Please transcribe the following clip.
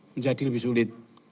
menjadi lebih sulit